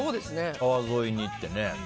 川沿いにってね。